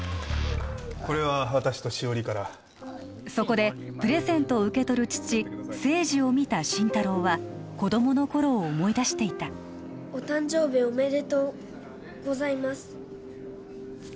これは私と汐里からそこでプレゼントを受け取る父清二を見た心太朗は子供の頃を思い出していたお誕生日おめでとうございます